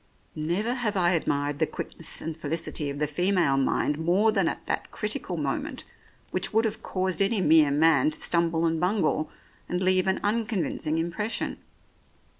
Never have I admired the quickness and felicity of the female mind more than at that critical moment which would have caused any mere man to stumble and bungle, and leave an unconvincing impression.